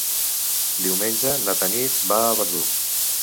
Diumenge na Tanit va a Verdú.